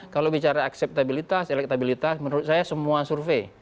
kalau bicara akseptabilitas elektabilitas menurut saya semua survei